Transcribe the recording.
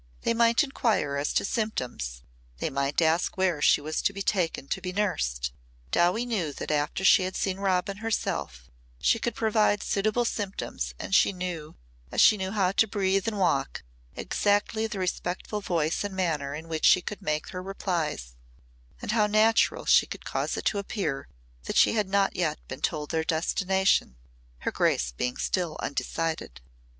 They might inquire as to symptoms, they might ask where she was to be taken to be nursed. Dowie knew that after she had seen Robin herself she could provide suitable symptoms and she knew, as she knew how to breathe and walk, exactly the respectful voice and manner in which she could make her replies and how natural she could cause it to appear that she had not yet been told their destination her grace being still undecided.